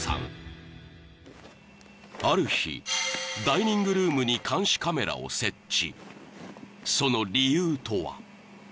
［ある日ダイニングルームに監視カメラを設置］